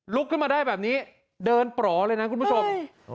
ขึ้นมาได้แบบนี้เดินปล่อเลยนะคุณผู้ชม